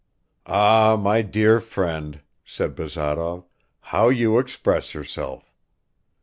"Ah, my dear friend," said Bazarov, "how you express yourself.